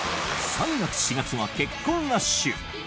３月４月は結婚ラッシュ。